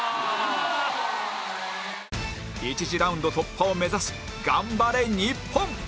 １次ラウンド突破を目指し頑張れ日本！